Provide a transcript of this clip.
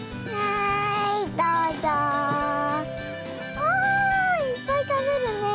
おおいっぱいたべるねえ。